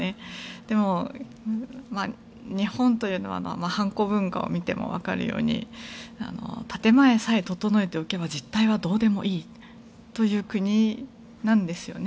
でも、日本というのは判子文化を見てもわかるように建前さえ整えておけば実態はどうでもいいという国なんですよね。